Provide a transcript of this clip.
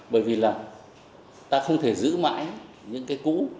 bởi vì là ta không thể giữ mãi những cái cũ